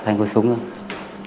đấy về xong là xong đã lặp